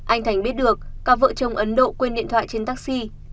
anh thành biết được cặp vợ chồng ấn độ quên điện thoại trên taxi